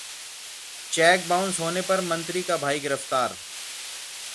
check bounce होने पर मंत्री का भाई गिरफ्तार